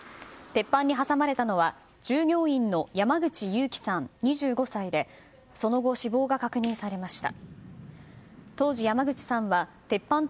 鉄板に挟まれたのは従業員の山口ユウキさんでその後、死亡が確認されました。